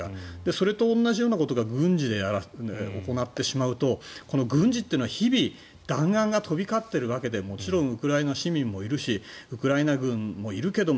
それと同じようなことが軍事で行ってしまうと軍事というのは日々、弾丸が飛び交っている中でもちろんウクライナ市民もいるしウクライナ軍もいるけれど